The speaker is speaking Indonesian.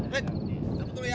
hei jemput dulu ya